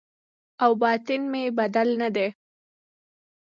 او باطن مې بدل نه دی